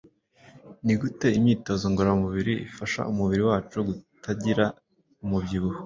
Ni gute imyitozo ngororamubiri ifasha umubiri wacu kutagira umubyibuho.